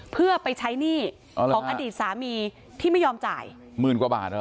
เพื่อไปใช้หนี้ของอดีตสามีที่ไม่ยอมจ่ายหมื่นกว่าบาทเหรอ